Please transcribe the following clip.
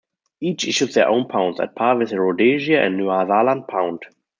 Each issued their own pounds, at par with the Rhodesia and Nyasaland pound.